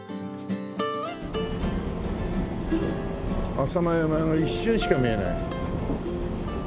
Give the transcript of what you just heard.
浅間山が一瞬しか見えない。